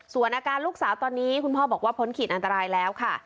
ส่วนอาการลูกสาวตอนนี้คุณพ่อบอกว่าพ้นขีดอันตรายแล้วค่ะ